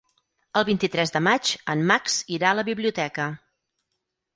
El vint-i-tres de maig en Max irà a la biblioteca.